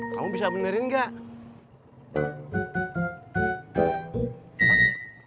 kamu bisa benerin enggak